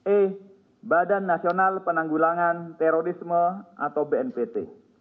e badan nasional penanggulangan terorisme atau bnpt